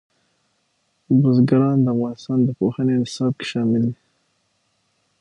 بزګان د افغانستان د پوهنې نصاب کې شامل دي.